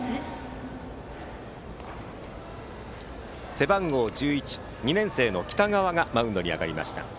背番号１１、２年生の北川がマウンドに上がりました。